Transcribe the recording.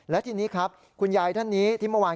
และทีนี้ครับคุณยายท่านนี้ที่เมื่อวาน